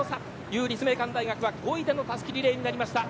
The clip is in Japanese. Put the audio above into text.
立命館大学は５位でのたすきリレーとなりました。